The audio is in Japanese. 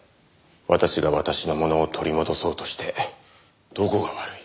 私が私のものを取り戻そうとしてどこが悪い？